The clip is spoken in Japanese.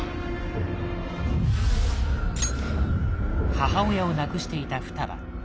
母親を亡くしていた双葉。